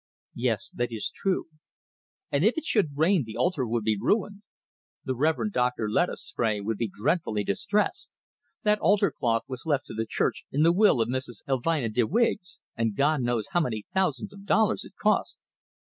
"Yes, that is true." "And if it should rain, the altar would be ruined. The Reverend Dr. Lettuce Spray would be dreadfully distressed. That altar cloth was left to the church in the will of Mrs. Elvina de Wiggs, and God knows how many thousands of dollars it cost."